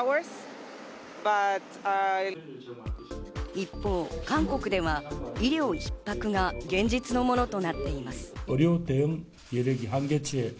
一方、韓国では医療逼迫が現実のものとなっています。